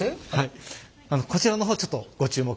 こちらの方ちょっとご注目。